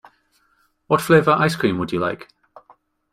What flavour ice cream would you like?